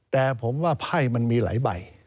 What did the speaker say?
แต่ผมว่าไพ่มันมีหลายใบ